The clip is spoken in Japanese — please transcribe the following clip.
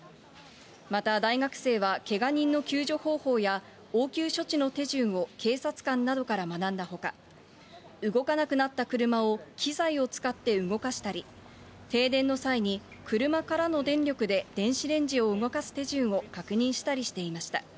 また、大学生はけが人の救助方法や応急処置の手順を警察官などから学んだほか、動かなくなった車を機材を使って動かしたり、停電の際に、車からの電力で電子レンジを動かす手順を確認したりしていました。